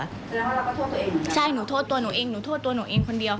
แล้วเราก็โทษตัวเองใช่หนูโทษตัวหนูเองหนูโทษตัวหนูเองคนเดียว